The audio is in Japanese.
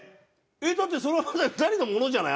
えっだってそれは２人のものじゃない？